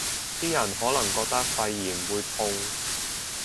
啲人可能覺得肺炎會痛